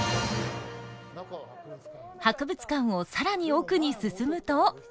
博物館を更に奥に進むと。